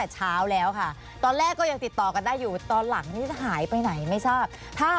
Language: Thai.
กลับมาคุยกับคุณลุงจรูนด้วยค่ะ